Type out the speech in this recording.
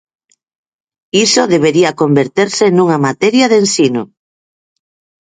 Iso debería converterse nunha materia de ensino.